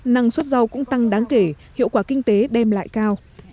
năng suất rau cũng tăng đáng kể hiệu quả kinh tế đem lại cao